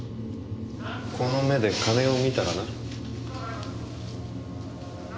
この目で金を見たらな。